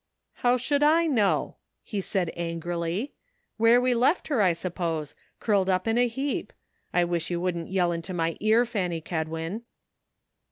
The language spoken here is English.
" How should I know ?" he said angrily ;" where we left her, I suppose, curled up in a heap. I wish you wouldn't yell into my ear, Fanny Kedwin."